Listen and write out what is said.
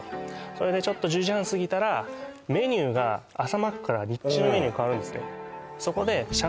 それでちょっと１０時半過ぎたらメニューが朝マックから日中のメニューに変わるんですね